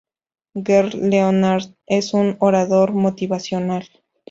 Gerd Leonhard es un orador motivacional.